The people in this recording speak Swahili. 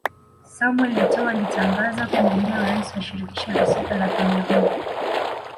Samuel Etoo alitangaza kugombea urais wa Shirikisho la Soka la Cameroon